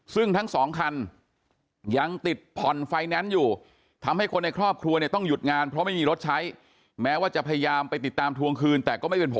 ซึ่งทั้งสองคันยังติดผ่อนไฟแนนซ์อยู่ทำให้คนในครอบครัวเนี่ยต้องหยุดงานเพราะไม่มีรถใช้แม้ว่าจะพยายามไปติดตามทวงคืนแต่ก็ไม่เป็นผล